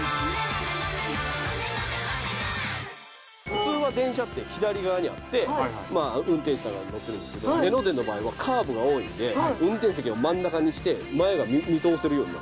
普通は電車って左側にあって運転士さんが乗ってるんですけど江ノ電の場合はカーブが多いんで運転席を真ん中にして前が見通せるように。